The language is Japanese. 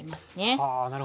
はあなるほど。